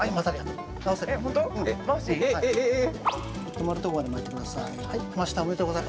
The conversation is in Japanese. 止まるところまで巻いてください。